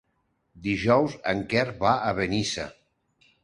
Dijous en Quer va a Benissa.